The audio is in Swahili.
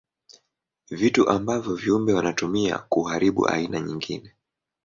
Vitu ambavyo viumbe wanatumia kuharibu aina nyingine.